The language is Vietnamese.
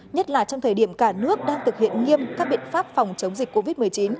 nhất là trong thời điểm cả nước đang thực hiện nghiêm các biện pháp phòng chống dịch covid một mươi chín